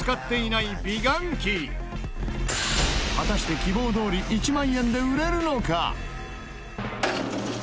果たして希望どおり１万円で売れるのか？